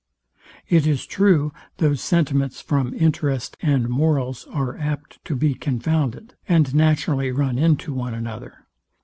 It is true, those sentiments, from interest and morals, are apt to be confounded, and naturally run into one another.